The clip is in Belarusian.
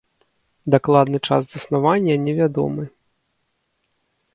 Дакладны час заснавання не вядомы.